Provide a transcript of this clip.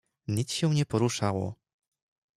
"Nic się nie poruszało."